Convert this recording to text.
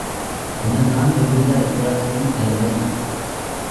அதனால் எவ்வித இழப்பும் இல்லை.